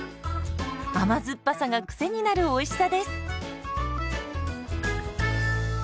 甘酸っぱさがクセになるおいしさです。